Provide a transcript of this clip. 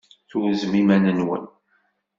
Turzem iman-nwen.